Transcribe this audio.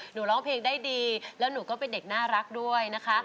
ร้องเพลงได้ดีแล้วหนูก็เป็นเด็กน่ารักด้วยนะคะ